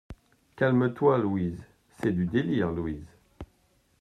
Calme-toi, Louise !… c'est du délire ! LOUISE.